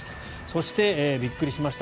そして、びっくりしました